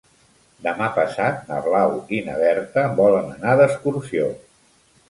Demà passat na Blau i na Berta volen anar d'excursió.